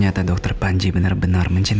kamu jangan bohong sama aku sen